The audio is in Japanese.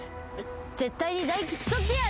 絶対に大吉取ってやる。